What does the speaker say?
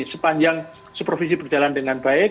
sepanjang supervisi berjalan dengan baik